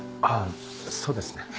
あそうですね。